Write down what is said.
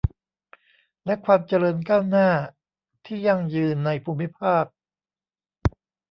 และความเจริญก้าวหน้าที่ยั่งยืนในภูมิภาค